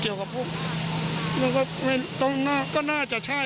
เกี่ยวกับพวกก็น่าจะใช่